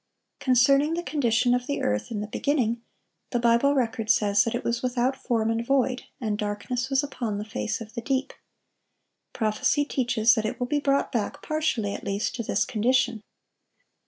Concerning the condition of the earth "in the beginning," the Bible record says that it "was without form, and void; and darkness was upon the face of the deep."(1144) Prophecy teaches that it will be brought back, partially at least, to this condition.